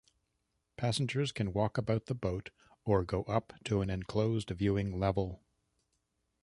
Passengers can walk about the boat or go up to an enclosed viewing level.